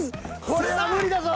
これは無理だぞ。